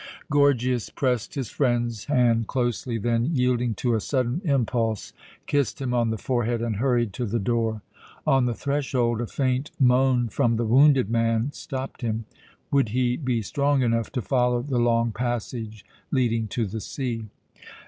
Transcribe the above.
Gorgias pressed his friend's hand closely, then, yielding to a sudden impulse, kissed him on the forehead and hurried to the door. On the threshold a faint moan from the wounded man stopped him. Would he be strong enough to follow the long passage leading to the sea?